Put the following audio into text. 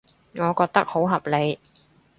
我覺得好合理